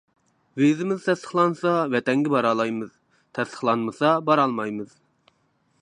ۋىزىمىز تەستىقلانسا ۋەتەنگە بارالايمىز، تەستىقلانمىسا بارالمايمىز.